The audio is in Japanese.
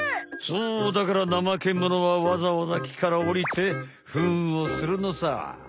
そうだからナマケモノはわざわざ木からおりてフンをするのさ。